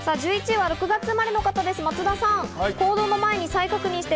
１１位は６月生まれの方です、松田さん。